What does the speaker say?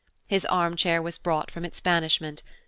His arm chair was brought from its banishment.